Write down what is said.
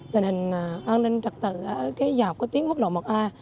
tình hình an ninh trật tự ở cái dọc có tiếng quốc lộ một a